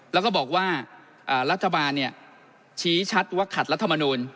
แล้วก็บอกว่ารัฐบาลชี้ชัดว่าขัดรัฐมนูล